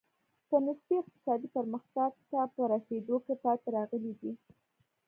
په نسبي اقتصادي پرمختګ ته په رسېدو کې پاتې راغلي دي.